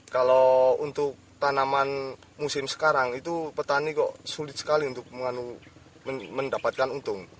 kalau untuk tanaman musim sekarang itu petani kok sulit sekali untuk mendapatkan untung